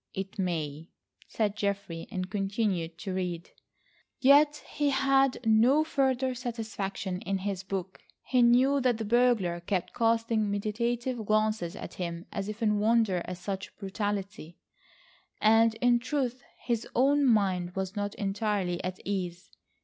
"It may," said Geoffrey, and continued to read. Yet he had no further satisfaction in his book. He knew that the burglar kept casting meditative glances at him as if in wonder at such brutality, and in truth, his own mind was not entirely at ease.